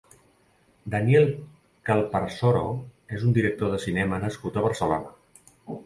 Daniel Calparsoro és un director de cinema nascut a Barcelona.